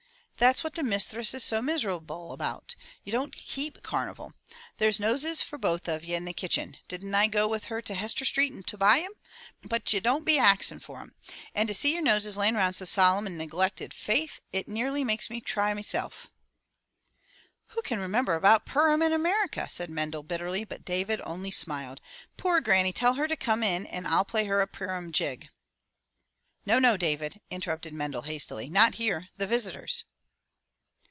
"That's what the misthress is so miserable about. Ye don't keep carnival. There's noses for both of ye in the kitchen — didn't I go with her to Hester Street to buy 'em? — ^but ye don't be axin for 'em. And to see your noses layin' around so solemn and neglected, faith, it nearly makes me chry meself." "Who can remember about Purim in America?" said Mendel bitterly, but David only smiled. "Poor granny, tell her to come in and I'll play her a Purim jig." "No, no, David," interrupted Mendel hastily. "Not here — the visitors!"